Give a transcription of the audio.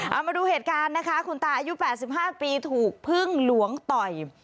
เอามาดูเหตุการณ์นะคะคุณตาอายุ๘๕ปีถูกพึ่งหลวงต่อย